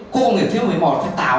khu công nghiệp phú mỹ một phải tạo